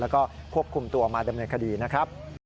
แล้วก็ควบคุมตัวมาดำเนินคดีนะครับ